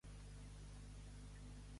Tirar més que l'ungüent de canonet.